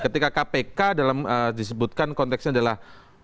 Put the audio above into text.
ketika kpk dalam disebutkan konteksnya adalah